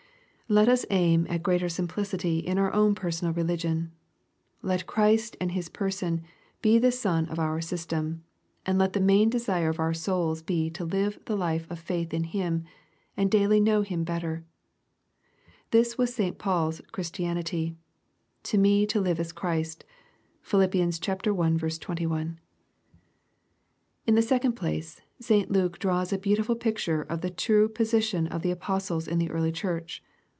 Let us aim at greater simplicity in our own personal religion. Let Christ and His Person be the sun of our system, and let the main desire of our souls be to live the life of faith in Him, and daily know Him better. This was St. Paul's Christianity. " To me to live is Christ." (Philipp. i. 21.) In the second place, St. Luke draws a beautiful picture of the trvs position of the apostles in the early church.